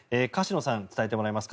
柏野さんに伝えてもらいます。